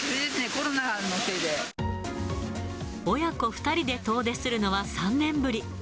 コロナのせ親子２人で遠出するのは３年ぶり。